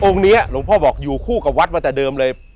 องค์เนี้ยหลวงพ่อบอกอยู่คู่กับวัดมาตั้งแต่เดิมเลย